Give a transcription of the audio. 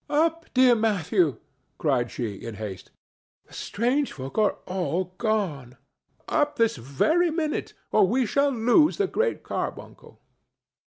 "Up, dear Matthew!" cried she, in haste. "The strange folk are all gone. Up this very minute, or we shall lose the Great Carbuncle!"